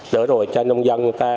đỡ rồi cho nông dân